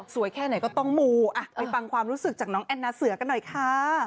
แค่ไหนก็ต้องมูอ่ะไปฟังความรู้สึกจากน้องแอนนาเสือกันหน่อยค่ะ